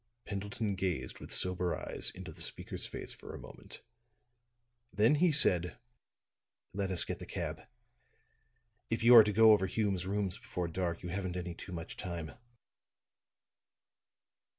Pendleton gazed with sober eyes into the speaker's face for a moment. Then he said: "Let us get the cab; if you are to go over Hume's rooms before dark, you haven't any too much time."